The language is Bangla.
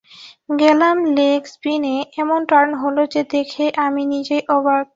গেলাম লেগ স্পিনে, এমন টার্ন হলো যে দেখে আমি নিজেই অবাক।